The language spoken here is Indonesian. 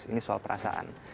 ini soal perasaan